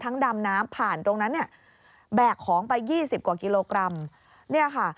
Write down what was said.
ดำน้ำผ่านตรงนั้นเนี่ยแบกของไปยี่สิบกว่ากิโลกรัมเนี่ยค่ะ